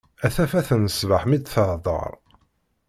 A tafat n ṣbeḥ mi d-teḍher.